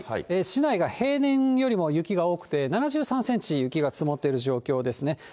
市内が平年よりも雪が多くて、７３センチ雪が積もっている状況ですね。